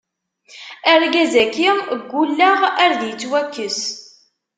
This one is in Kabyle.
Argaz-agi ggulleɣ ar d ittwakkes.